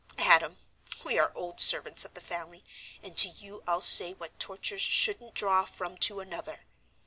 "Adam, we are old servants of the family, and to you I'll say what tortures shouldn't draw from to another.